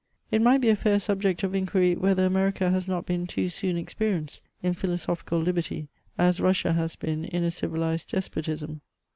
It might be a fair subject of inquiry, whether America has not been too soon experienced in philosopnical liberty,' as Russia has been in a civilised despotism.